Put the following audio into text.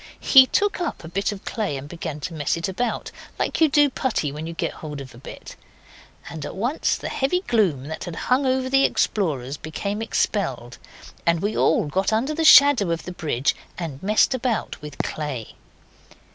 He took up a bit of clay and began to mess it about, like you do putty when you get hold of a bit. And at once the heavy gloom that had hung over the explorers became expelled, and we all got under the shadow of the bridge and messed about with clay.